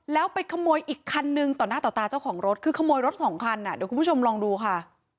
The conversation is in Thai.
แล้วไปขโมยอีกคันนึงต่อหน้าต่อตาเจ้าของรถคือขโมยรถสองคันอ่ะเดี๋ยวคุณผู้ชมลองดูค่ะ